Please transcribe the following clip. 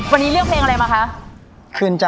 วันนี้เลือกเพลงอะไรมาคะ